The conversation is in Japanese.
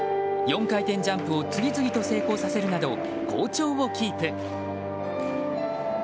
４回転ジャンプを次々と成功させるなど好調をキープ。